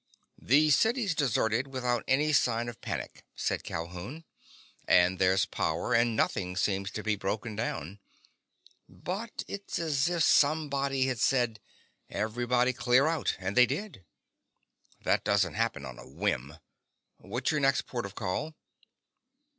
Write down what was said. "The city's deserted without any sign of panic," said Calhoun, "and there's power and nothing seems to be broken down. But it's as if somebody had said, 'Everybody clear out' and they did. That doesn't happen on a whim! What's your next port of call?"